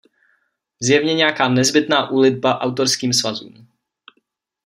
Zjevně nějaká nezbytná úlitba autorským svazům...